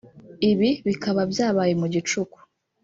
Ibi bikaba byabaye mu gicuku